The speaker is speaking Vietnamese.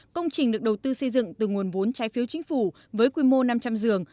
công trình được đầu tư xây dựng từ nguồn vốn trái phiếu chính phủ với quy mô năm trăm linh giường